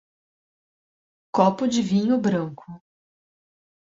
Copo de vinho branco.